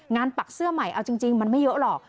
ปักเสื้อใหม่เอาจริงมันไม่เยอะหรอก